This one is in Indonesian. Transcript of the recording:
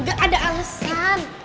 gak ada alasan